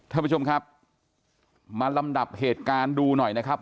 ท่านผู้ชมครับมาลำดับเหตุการณ์ดูหน่อยนะครับ